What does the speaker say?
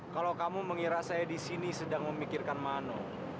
kalau kamu mengira saya di sini sedang memikirkan mana